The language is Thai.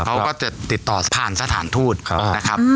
เขาก็จะติดต่อผ่านสถานทูตนะครับ